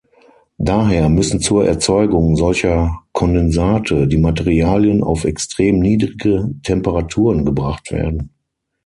Daher müssen zur Erzeugung solcher Kondensate die Materialien auf extrem niedrige Temperaturen gebracht werden.